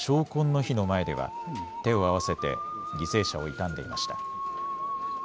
碑の前では手を合わせて犠牲者を悼んでいました。